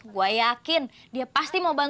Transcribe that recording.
saya masih masih